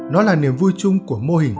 nó là niềm vui chung của mô hình